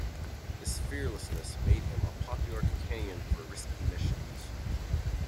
This fearlessness made him a popular companion for risky missions.